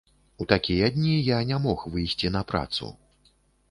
У такія дні я не мог выйсці на працу.